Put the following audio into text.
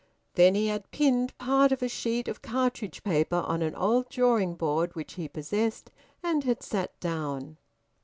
Then he had pinned part of a sheet of cartridge paper on an old drawing board which he possessed, and had sat down.